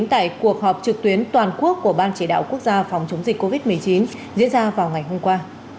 phạm minh trịnh tại cuộc họp trực tuyến toàn quốc của ban chỉ đạo quốc gia phòng chống dịch covid một mươi chín diễn ra vào ngày hôm qua